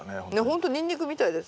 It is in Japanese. ほんとニンニクみたいです。